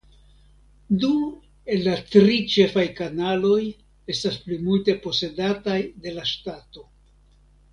Du el la tri ĉefaj kanaloj estas plimulte posedataj de la ŝtato.